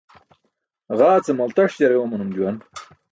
Ġaa ce maltaṣ jare oomanum juwan.